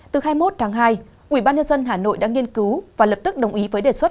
từ hai mươi một tháng hai ubnd hà nội đã nghiên cứu và lập tức đồng ý với đề xuất